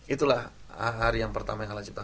itulah hari yang pertama yang halal cipta